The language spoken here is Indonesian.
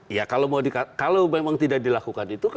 ya kalau memang tidak dilakukan itu